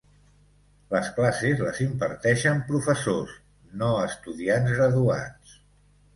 Les classes les imparteixen professors, no estudiants graduats.